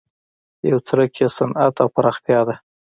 یو څرک یې صنعت او پراختیا ده.